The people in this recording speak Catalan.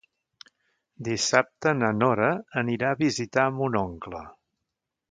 Dissabte na Nora anirà a visitar mon oncle.